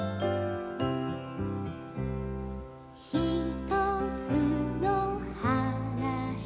「ひとつのはなし」